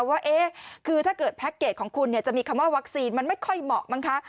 ว่าคือถ้าเกิดแพ็คเกจของคุณจะมีคำว่าวัคซีนมันไม่ค่อยเหมาะมั้งคะ